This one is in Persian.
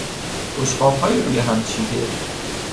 بشقابهای روی هم چیده